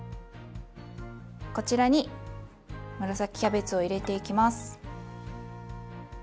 こちらに紫キャベツを入れていきます。